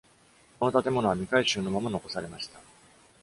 この建物は未改修のまま残されました。